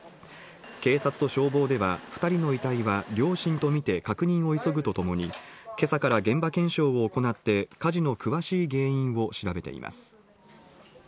警察と消防では２人の遺体は両親とみて確認を急ぐとともに、今朝から現場検証を行って火事の詳しい原因を調べています。